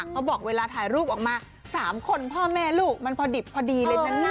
เขาบอกเวลาถ่ายรูปออกมา๓คนพ่อแม่ลูกมันพอดิบพอดีเลยนะ